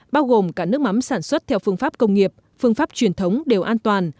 bao gồm cả nước mắm sản xuất theo phương pháp công nghiệp phương pháp truyền thống đều an toàn